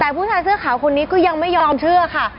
แต่ผู้ชายเสื้อขาวคนนี้ก็ยังไม่ยอมเชื่อค่ะ